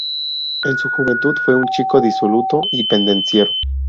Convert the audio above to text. En su juventud, fue un chico disoluto y pendenciero.